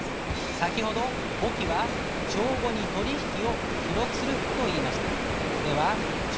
先ほど「簿記は帳簿に取り引きを記録する」と言いました。